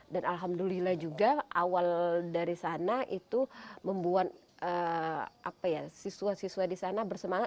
dan alhamdulillah juga awal dari sana itu membuat siswa siswa di sana bersemangat